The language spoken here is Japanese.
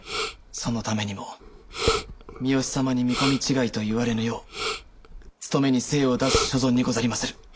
そのためにも三好様に見込み違いと言われぬよう務めに精を出す所存にござりまする。